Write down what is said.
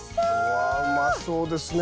うわうまそうですね